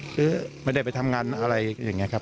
คือไม่ได้ไปทำงานอะไรอย่างนี้ครับ